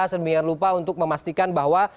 sedemikian lupa untuk memastikan bahwa